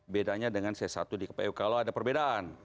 bedanya dengan c satu di kpu kalau ada perbedaan